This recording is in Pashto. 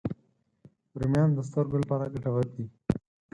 رومیان د سترګو لپاره ګټور دي